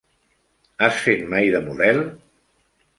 Has fet mai de model?